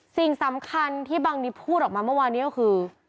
สิ่งสำคัญที่บังนีพูดออกมาเมื่อวานนี้ก็คือ